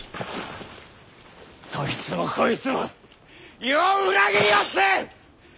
どいつもこいつも余を裏切りおって！